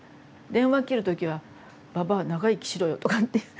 電話切る時は「ばばあ長生きしろよ」とかっていう。